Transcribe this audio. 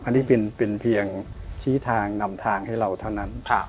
อันนี้เป็นเพียงชี้ทางนำทางให้เราเท่านั้น